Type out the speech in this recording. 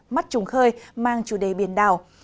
mắt trùng khơi mang chủ đề biển đảo